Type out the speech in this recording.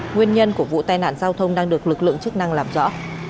nguyên nhân của vụ tai nạn giao thông đang được lực lượng chức năng làm rõ